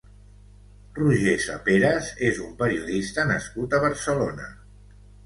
Roger Saperas és un periodista nascut a Barcelona.